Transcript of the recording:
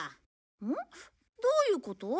うん？どういうこと？